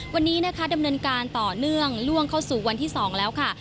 วันนี้นะคะดำเนินการต่อเนื่องล่วงเข้าสู่วันที่๒แล้วค่ะ